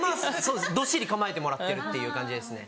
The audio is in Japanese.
どっしり構えてもらってるっていう感じですね。